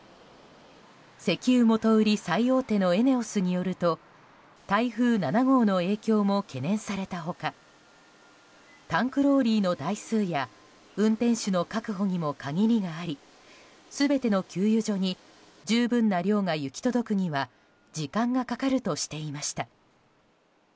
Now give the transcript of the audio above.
石油元売り最大手のＥＮＥＯＳによると台風７号の影響も懸念された他タンクローリーの台数や運転手の確保にも限りがあり全ての給油所に十分な量が行き届くには時間がかかるとしていました。